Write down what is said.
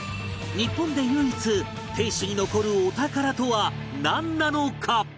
日本で唯一天守に残るお宝とはなんなのか？